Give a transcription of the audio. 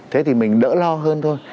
thế thì mình đỡ lo hơn thôi